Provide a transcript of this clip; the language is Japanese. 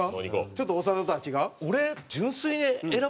ちょっと長田とは違う？